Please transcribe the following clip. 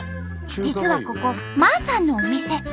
実はここマーさんのお店。